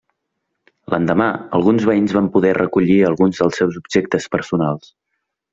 L'endemà, alguns veïns van poder recollir alguns dels seus objectes personals.